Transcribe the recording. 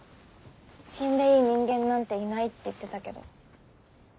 「死んでいい人間なんていない」って言ってたけどあんなのきれい事だよ。